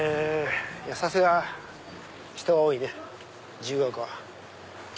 さすが人が多いね自由が丘は。